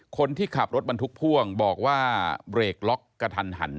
คนที่ขับรถบรรทุกพ่วงบอกว่าเบรกล็อกกระทันหัน